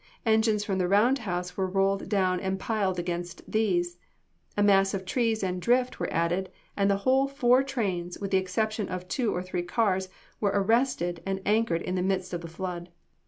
Engines from the round house were rolled down and piled against these, a mass of trees and drift were added, and the whole four trains, with the exception of two or three cars, were arrested and anchored in the midst of the flood.